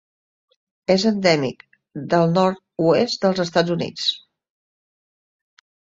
És endèmic del nord-oest dels Estats Units.